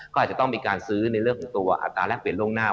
ก็อาจจะต้องมีการซื้อในเรื่องของตัวอัตราแรกเปลี่ยนล่วงหน้า